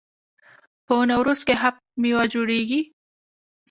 په نوروز کې هفت میوه جوړیږي.